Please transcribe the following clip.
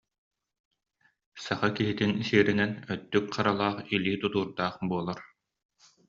Саха киһитин сиэринэн өттүк харалаах, илии тутуурдаах буолар